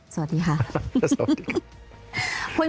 สวัสดีค่ะ